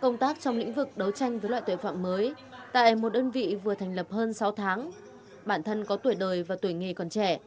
công tác trong lĩnh vực đấu tranh với loại tội phạm mới tại một đơn vị vừa thành lập hơn sáu tháng bản thân có tuổi đời và tuổi nghề còn trẻ